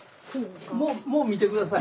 「門見てください！」